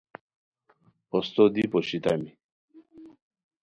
پھوستو دی پوشیتامی